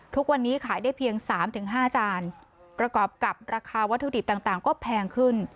ทุกวันนี้ขายได้เพียง๓๕จานประกอบกับราคาวัตถุดิบต่างก็แพงขึ้น